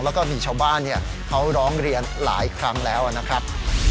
แล้วก็มีชาวบ้านเขาร้องเรียนหลายครั้งแล้วนะครับ